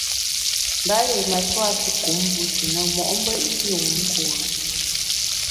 Mba yié matua pi kum bushi na mo’mbe i pi wum nkure.